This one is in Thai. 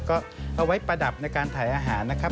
ก็เอาไว้ประดับในการถ่ายอาหารนะครับ